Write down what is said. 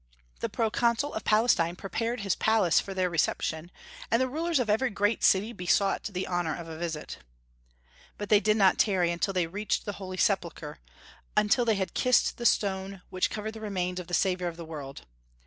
The Proconsul of Palestine prepared his palace for their reception, and the rulers of every great city besought the honor of a visit. But they did not tarry until they reached the Holy Sepulchre, until they had kissed the stone which covered the remains of the Saviour of the world.